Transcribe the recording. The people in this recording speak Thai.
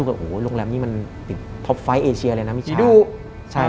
โรงแรมนี้มันท็อปไฟต์เอเชียเลยนะมิชา